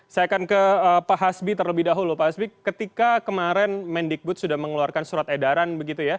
saya akan ke pak hasbi terlebih dahulu pak hasbi ketika kemarin mendikbud sudah mengeluarkan surat edaran begitu ya